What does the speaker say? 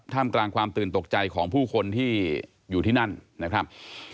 มกลางความตื่นตกใจของผู้คนที่อยู่ที่นั่นนะครับ